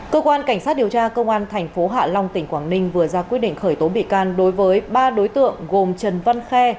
cơ quan cảnh sát điều tra công an tp hạ long tỉnh quảng ninh vừa ra quyết định khởi tố bị can đối với ba đối tượng gồm trần văn khe